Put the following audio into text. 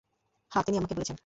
হ্যাঁ, তিনিই আমাকে বলেছেন।